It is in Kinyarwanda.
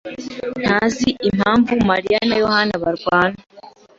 ntazi impamvu Mariya na Yohana barwana.